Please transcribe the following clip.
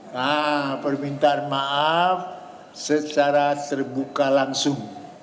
nah permintaan maaf secara terbuka langsung